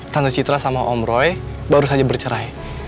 tanda citra sama om roy baru saja bercerai